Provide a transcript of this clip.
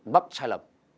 bắt sai lầm